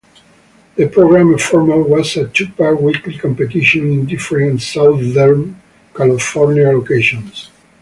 The programme format was a two-part weekly competition in different Southern California locations.